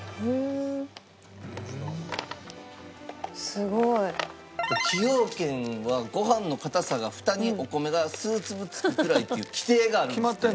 すごい。崎陽軒はご飯の硬さがフタにお米が数粒つくくらいっていう規定があるんですって。